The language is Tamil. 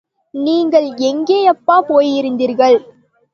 நீங்கள் எங்கேயப்பா போயிருந்தீர்கள்?